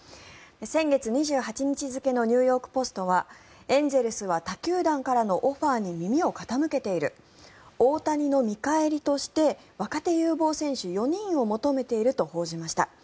先月２８日付のニューヨーク・ポストはエンゼルスは他球団からのオファーに耳を傾けている大谷の見返りとして若手有望選手４人を求めていると報じました。